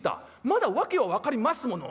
まだ訳は分かりますもの。